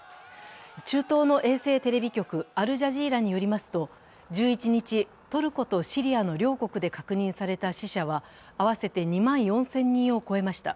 中東の衛星テレビ局アルジャジーラによりますと１１日、トルコとシリアの両国で確認された死者は合わせて２万４０００人を超えました。